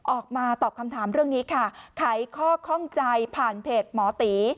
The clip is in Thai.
ออกมาตอบคำถามเรื่องนี้ค่ะไขข้อข้องใจผ่านเพจหมอตี